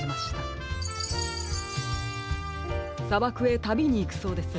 さばくへたびにいくそうです。